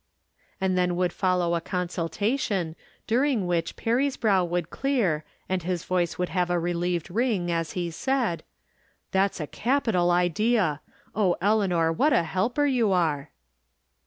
And then would follow a consultation, during which Perry's brow would clear, and his voice woiild have a relieved ring as he said :" That's a capital idea ! Oh, Eleanor, what a helper you are